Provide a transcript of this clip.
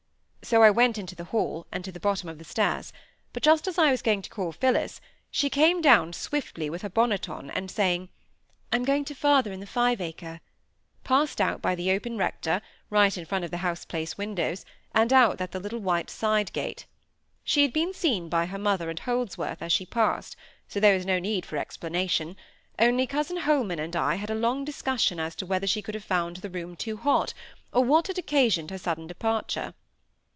So I went into the hall, and to the bottom of the stairs; but just as I was going to call Phillis, she came down swiftly with her bonnet on, and saying, "I'm going to father in the five acre," passed out by the open "rector," right in front of the house place windows, and out at the little white side gate. She had been seen by her mother and Holdsworth, as she passed; so there was no need for explanation, only cousin Holman and I had a long discussion as to whether she could have found the room too hot, or what had occasioned her sudden departure.